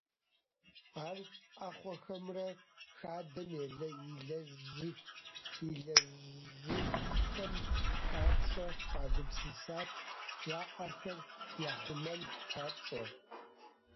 Ар ӏэхъуэхэмрэ хадэм илэжьыхьхэм папщӏэ къагупсысат, я ӏэхэр яхъумэн папщӏэ.